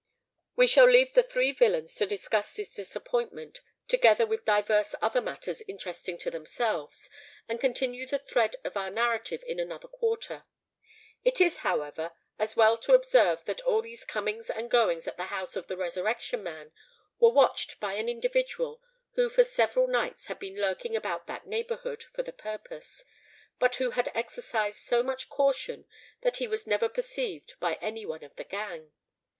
We shall leave the three villains to discuss this disappointment, together with divers other matters interesting to themselves, and continue the thread of our narrative in another quarter. It is, however, as well to observe that all these comings and goings at the house of the Resurrection Man were watched by an individual, who for several nights had been lurking about that neighbourhood for the purpose, but who had exercised so much caution that he was never perceived by any one of the gang.